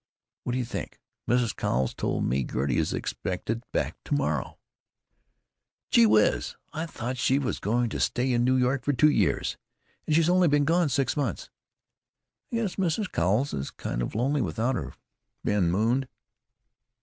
What d'you think? Mrs. Cowles told me Gertie is expected back to morrow." "Gee whiz! I thought she was going to stay in New York for two years! And she's only been gone six months." "I guess Mrs. Cowles is kind of lonely without her," Ben mooned.